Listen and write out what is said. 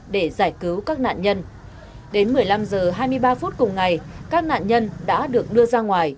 để giải cứu các nạn nhân